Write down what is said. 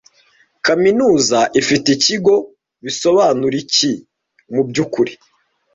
Kaminuza ifite ikigo bisobanura iki mubyukuri